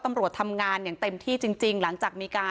ตำรวจบอกว่าภายในสัปดาห์เนี้ยจะรู้ผลของเครื่องจับเท็จนะคะ